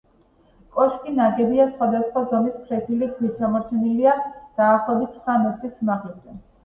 კოშკი ნაგებია სხვადასხვა ზომის ფლეთილი ქვით; შემორჩენილია დაახლოებით ცხრა მეტრის სიმაღლეზე.